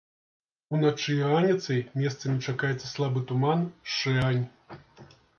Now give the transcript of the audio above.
Уначы і раніцай месцамі чакаецца слабы туман, шэрань.